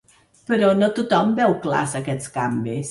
Però no tothom veu clars aquests canvis.